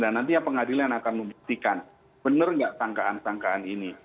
dan nantinya pengadilan akan membuktikan benar nggak tangkaan tangkaan ini